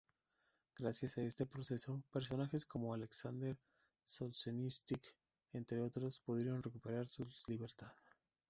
Gracias a este proceso, personajes como Aleksandr Solzhenitsyn entre otros, pudieron recuperar su libertad.